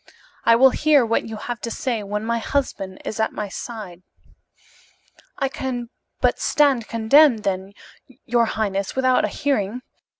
"I will hear what you have to say when my husband is at my side." "I can but stand condemned, then, your highness, without a hearing.